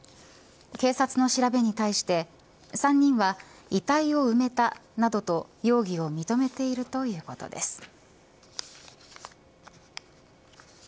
警察の調べに対して３人は遺体を埋めたなどと容疑を認めているということです。